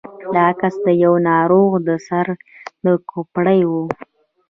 دا عکس د يوه ناروغ د سر د کوپړۍ و.